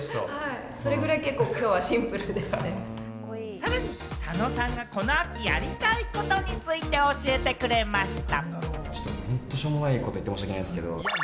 さらに佐野さんがこの秋、やりたいことについて教えてくれました。